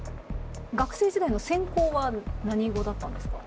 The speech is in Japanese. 学生時代の専攻は何語だったんですか？